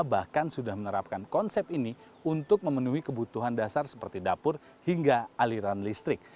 bahkan sudah menerapkan konsep ini untuk memenuhi kebutuhan dasar seperti dapur hingga aliran listrik